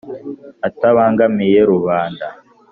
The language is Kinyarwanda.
atabangamiye rubanda